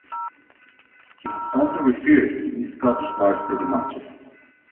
He has also refereed in Scottish Varsity matches.